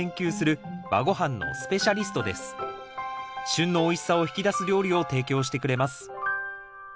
旬のおいしさを引き出す料理を提供してくれます。